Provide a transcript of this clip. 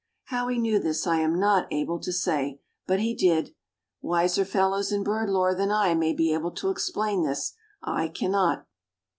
How he knew this I am not able to say, but he did. Wiser fellows in bird lore than I may be able to explain this. I cannot.